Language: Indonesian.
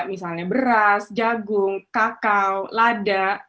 misalnya beras jagung kakao lada